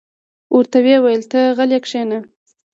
ورته ویې ویل: ته غلې کېنه.